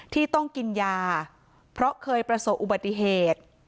ที่ต้องกินยาเพราะเคยประสบอุบัติเหตุ